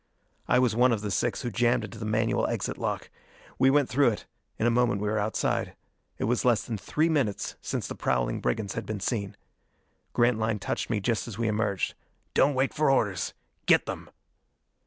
I was one of the six who jammed into the manual exit lock. We went through it: in a moment we were outside. It was less than three minutes since the prowling brigands had been seen. Grantline touched me just as we emerged. "Don't wait for orders! Get them!"